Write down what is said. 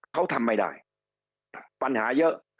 เขาทำไม่ได้ปัญหาเยอะ